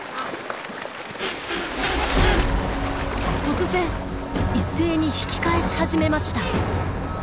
突然一斉に引き返し始めました。